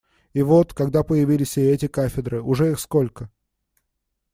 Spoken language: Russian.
И вот, когда появились и эти кафедры, уже их сколько?